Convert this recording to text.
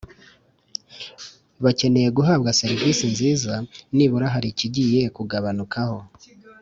bakeneye guhabwa serivisi nziza, nibura hari ikigiye kugabanukaho.